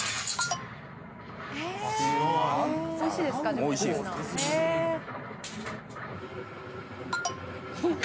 おいしいですか？